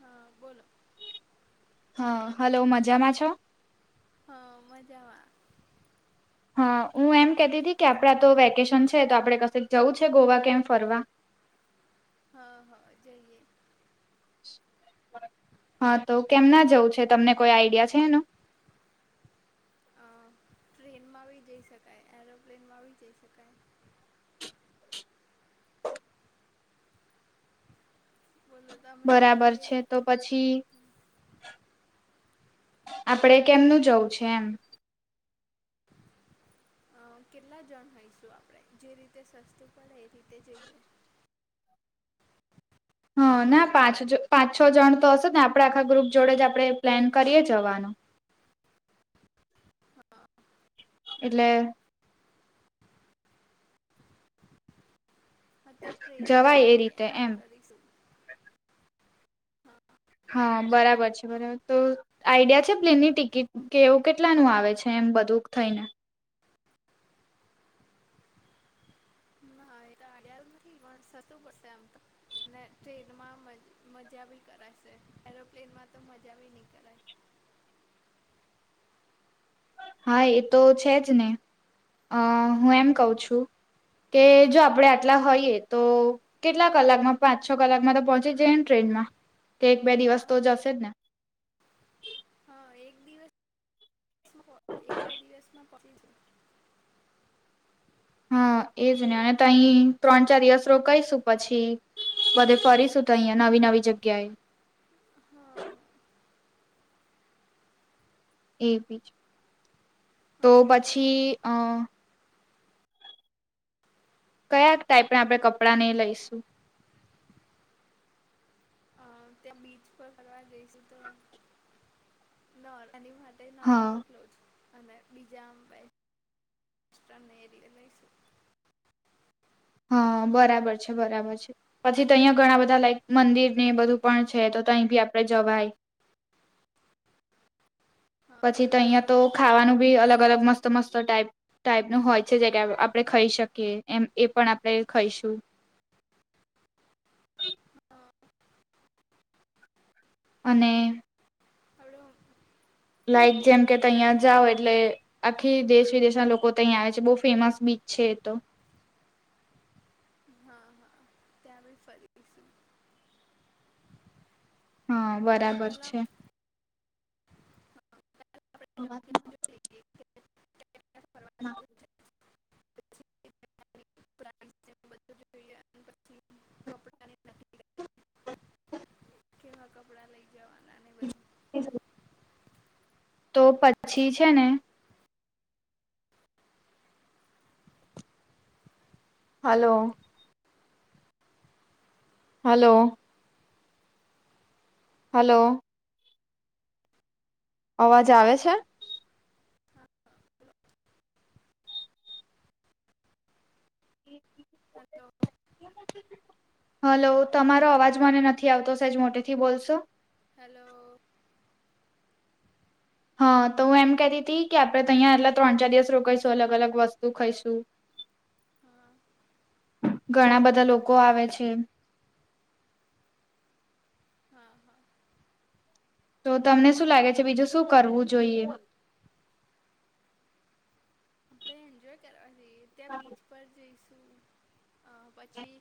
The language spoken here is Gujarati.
હા બોલો. હા હલો મજામાં છો. હ મજામાં. હા હું એમ કતી હતી કે આપડા તો વેકેશન છે તો આપડે કશે જવં છે ગોવા કેમ ફરવા. હા હા જઈએ. હા તો કેમ ના જવું છે તમને કોઈ આઈડિયા છે એનું. અ ટ્રેનમાં બી જઈ શકાય એરોપ્લેનમાં બી જઈ શકાય. બોલો તમે બરાબર કેવી છે તો. રીતે પછી આપડે કેમનું જવું છે એમ. કેટલા જણ હોઈશું આપણે જે રીતે સસ્તું પડે એ રીતે જઈએ. હા ના પાંચ પાંચ છ જણ તો હશે ને આપડે આખા ગ્રુપ જોડે જ આપણે પ્લેન કરીએ જવાનું. હા એટલે. હ તો ટ્રેનમાં જવાય એ જઈએ રીતે એન્ડ્રોઈડ એમ કરીશું. હા બરાબર છે બરાબર તો. આઈડિયા છે પ્લેનની ટિકિટ કે એવું કેટલાનું આવે છે એમ બધું થઈને. ના એ તો આડ્યા નથી પણ સસું પડશે આમ તો. અને ટ્રેનમાં મજા ભી કરાશે એરોપ્લેનમાં તો મજા બી નહી કરાય. હા એ તો છે જ ને અ હું એમ કઉ છું. કે જો આપણેે આટલા હોઈયએ તો. કેટલા કલાકમાં પાંચ છ કલાકમાં તો પહોંચી જાય ને ટ્રેનમાં કે એક બે દિવસ હા તો જશે જ ને હા એક દિવસ એક બે દિવસમાં પી હા એજ ને અને તહી ત્રણ ચાર દિવસ રો કઈશું પછી. બધ ફરી સુધઈયા નવી નવી જગ્યાએ. હા હા. એ બીજ તો પછી અ. કયા ટાઈપને આપડણે કપડાં નઈ લઈશું. ત્યા બીચ પર ફરવા જઈશું તો. તે હા નોર્મલ ક્લોથ અને બીજા આમ એ લઈશું. હા બરાબર છે બરાબર છે પછી તો અહિયાંયા ઘણા બધા લાઈક મંદિર ને બધું. પણ છે તો તહી ભી આપડે જવાય. હા પછી તો અહીિયાંયા તો ખાવાનું બી અલગ અલગ મસ્ત મસ્ત ટાઈપ. ટાઈપ નું હોય છે જે કે આપણે ખાઈ શકીએ એમ એ પણ આપણે ખાઈશું. હા અને હ લાઈક જેમ કે ત અહીિયાયા જાઓ એટલે આખી દેશ વિદેશના લોકો તહીંયા આવે છે બહુ ફેમસ બીચ છે એ તો હા હા ત્યાં ફરી હા બરાબર પહેલા છે. [inaudible] [inaudible] [inaudible] જોઈએ [unintelligible] કેવા કપડાં લઈ જવાના ને બધી [inaudible] તો પછી છે ને હલો હલો હેલો હલો અવાજ આવે છે. હલો હલો તમારો અવાજ મને નથી આવતો સહેજ મોટે થી બોલશો હેલો હા તો હું એમ કતી હતી કે આપડે તહંયા એટલા ત્રણ ચાર દિવસ રોકાઈશું અલગ અલગ વસ્તુ ખાઈશું હા ઘણા બધા લોકો આવે છે. હા હા તો તમને શું લાગે છે બીજું શું કરવું જોઈએ આપણે એન્જોય કરવા જઈએ ત્યાં બીચ પર જઈશું પછી